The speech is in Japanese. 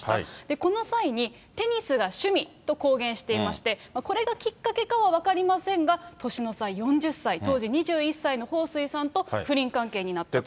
この際にテニスが趣味と公言していまして、これがきっかけかは分かりませんが、年の差４０歳、当時２１歳の彭帥さんと不倫関係になったと。